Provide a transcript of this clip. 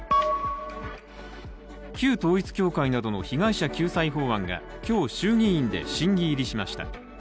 旧統一教会などの被害者救済法案が今日、衆議院で審議入りしました。